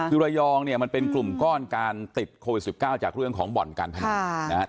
คือระยองเนี่ยมันเป็นกลุ่มก้อนการติดโควิด๑๙จากเรื่องของบ่อนการพนันนะครับ